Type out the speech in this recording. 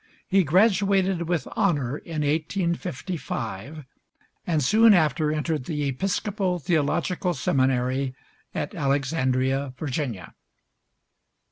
He graduated with honor in 1855, and soon after entered the Episcopal theological seminary at Alexandria, Virginia.